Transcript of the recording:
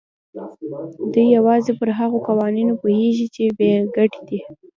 دی يوازې پر هغو قوانينو پوهېږي چې بې ګټې دي.